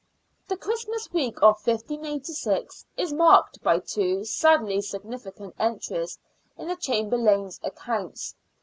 The Christmas week of 1586 is marked by two sadly significant entries in the Chamberlain's accounts.